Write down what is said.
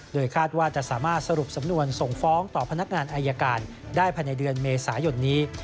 โดยคาดว่าจะสามารถสรุปสำนวนส่งฟ้องต่อพนักงานอายการได้ภายในเดือนเมษายนนี้